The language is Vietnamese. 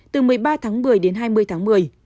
từ một mươi ba một mươi đến hai mươi một mươi